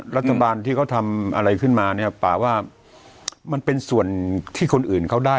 รัฐบาลที่เขาทำอะไรขึ้นมาเนี่ยป่าว่ามันเป็นส่วนที่คนอื่นเขาได้